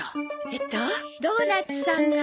えっと「ドーナツさんが」